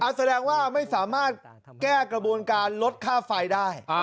แสดงว่าไม่สามารถแก้กระบวนการลดค่าไฟได้